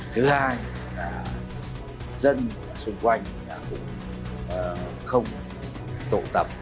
thứ hai là dân xung quanh cũng không tụ tập